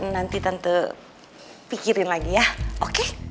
nanti tante pikirin lagi ya oke